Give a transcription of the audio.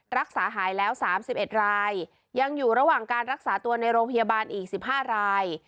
รักษาหายแล้ว๓๑รายยังอยู่ระหว่างการรักษาตัวในโรงพยาบาลอีก๑๕ราย